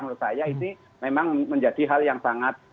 menurut saya ini memang menjadi hal yang sangat